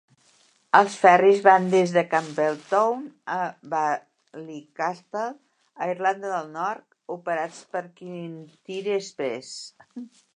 Els ferris van des de Campbeltown a Ballycastle a Irlanda del Nord, operats per Kintyre Express.